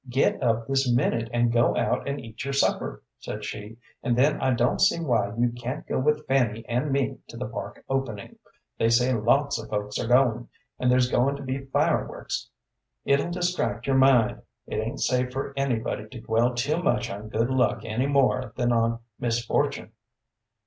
"Get up this minute, and go out and eat your supper," said she; "and then I don't see why you can't go with Fanny and me to the park opening. They say lots of folks are goin', and there's goin' to be fireworks. It'll distract your mind. It ain't safe for anybody to dwell too much on good luck any more than on misfortune.